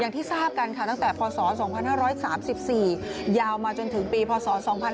อย่างที่ทราบกันค่ะตั้งแต่พศ๒๕๓๔ยาวมาจนถึงปีพศ๒๕๕๙